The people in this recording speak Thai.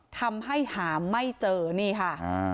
ทำให้หาไม่เจอนี่ค่ะ